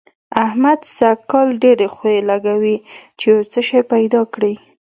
احمد سږ کال ډېرې خوې لګوي چي يو شی پيدا کړي.